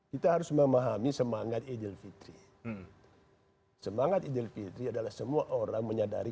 kita harus memahami semangat idilfitri semangat idilfitri adalah semua orang menyadari